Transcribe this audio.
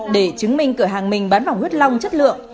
để chứng minh cửa hàng mình bán vòng huyết long chất lượng